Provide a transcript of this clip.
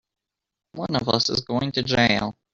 One of us is going to jail!